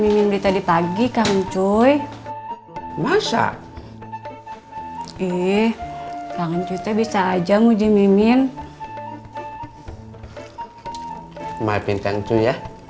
my pintangcu ya